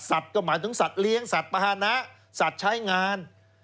ก็หมายถึงสัตว์เลี้ยงสัตว์ปาหนะสัตว์ใช้งาน